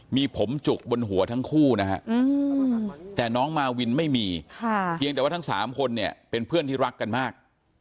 มีผมจุกบนหัวทั้งคู่นะฮะแต่น้องมาวินไม่มีเพียงแต่ว่าทั้ง๓คนเนี่ยเป็นเพื่อนที่รักกันมาก